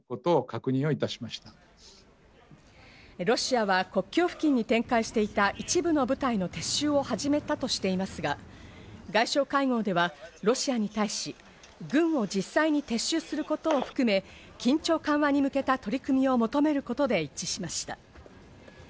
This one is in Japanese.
ロシアは国境付近に展開していた一部の部隊の撤収を始めたとしていますが、外相会合ではロシアに対し、軍を実際に撤収することを含め、緊張緩和に向けた取り組みを求めることで一致しました。